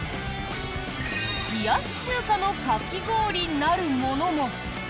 冷やし中華のかき氷なるものも。